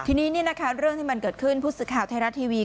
ทีนี้เนี่ยนะคะเรื่องที่มันเกิดขึ้นพุทธสิทธิ์ข่าวไทยรัตน์ทีวี